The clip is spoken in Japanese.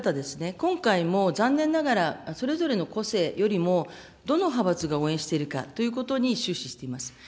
今回も残念ながら、それぞれの個性よりも、どの派閥が応援しているかということに終始しています。